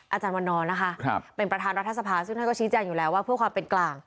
อาจารย์วันนอนนะคะเป็นประธานรัฐสภาซึ่งท่านก็ชี้แจงอยู่แล้วว่าเพื่อความเป็นกลาง